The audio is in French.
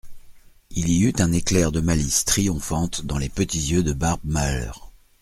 Il y eut un éclair de malice triomphante dans les petits yeux de Barbe Mahaleur.